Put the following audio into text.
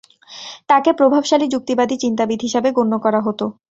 তাকে প্রভাবশালী যুক্তিবাদী চিন্তাবিদ হিসাবে গন্য করা হতো।